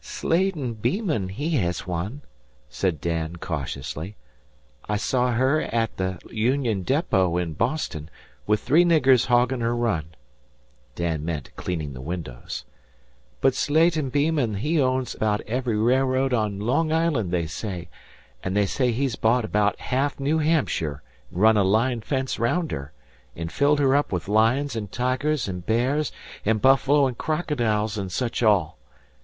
"Slatin Beeman he hez one," said Dan, cautiously. "I saw her at the Union Depot in Boston, with three niggers hoggin' her run." (Dan meant cleaning the windows.) "But Slatin Beeman he owns 'baout every railroad on Long Island, they say, an' they say he's bought 'baout ha'af Noo Hampshire an' run a line fence around her, an' filled her up with lions an' tigers an' bears an' buffalo an' crocodiles an' such all.